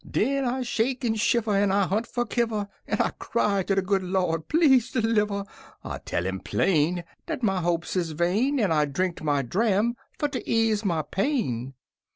Den I shake en shiver, En I hunt fer kiver, En I cry ter de good Lawd, "Please deliver!" I tell 'im plain Dat my hopes is vain, En I drinked my dram fer ter ease my pain!